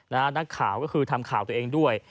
นักข่าวก็คือทำข่าวตัวเองด้วย